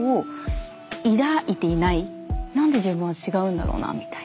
何で自分は違うんだろうなみたいな。